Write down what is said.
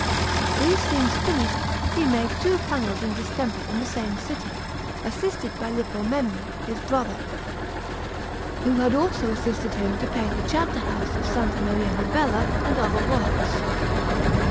These scenes finished, he made two panels in distemper in the same city, assisted by Lippo Memmi, his brother, who had also assisted him to paint the Chapter house of S. Maria Novella and other works.